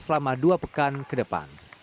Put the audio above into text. selama dua pekan ke depan